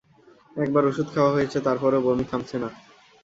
একবার ওষুধ খাওয়া হয়েছে তারপর ও বমি থামছে না।